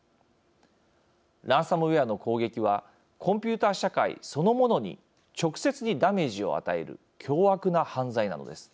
ランサムウェアの攻撃はコンピューター社会、そのものに直接にダメージを与える凶悪な犯罪なのです。